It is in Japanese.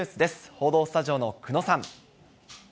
報道スタジオの久野さん。